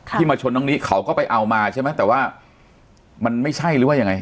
ที่มาชนน้องนิเขาก็ไปเอามาใช่ไหมแต่ว่ามันไม่ใช่หรือว่ายังไง